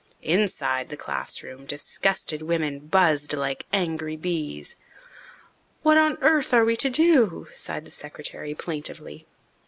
Inside the classroom disgusted women buzzed like angry bees. "What on earth are we to do?" sighed the secretary plaintively.